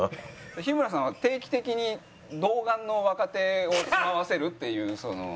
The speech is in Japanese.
日村さんは定期的に童顔の若手を住まわせるっていうその。